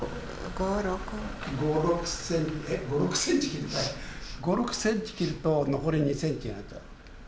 ５、６センチ切ると残り２センチになっちゃう。